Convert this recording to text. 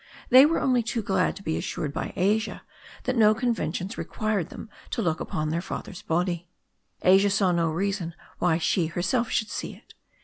They were only too glad to be assured by Asia that no conven tions required them to look upon their father's body. Asia saw no reason why she herself should see it.